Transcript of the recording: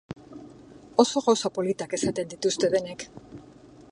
Oso gauza politak esaten dituzte denek.